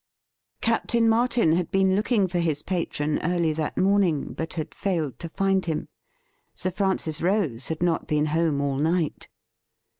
WHAT IS TO BE DONE NEXT? 293 Captain Martin had been looking for his patron early that morning, but had failed to find him. Sir Francis Rose had not been home all night.